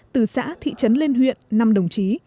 từ xã thị trấn lên huyện năm đồng chí